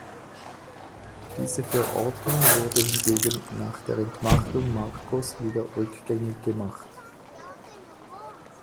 Diese Verordnung wurde hingegen nach der Entmachtung Marcos wieder rückgängig gemacht.